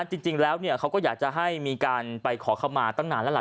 จริงจริงแล้วเนี่ยเขาก็อยากจะให้มีการไปขอคำมาตั้งนานแล้วล่ะ